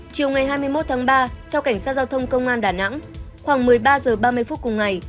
chiều ngày hai mươi một tháng ba theo cảnh sát giao thông công an đà nẵng khoảng một mươi ba h ba mươi phút cùng ngày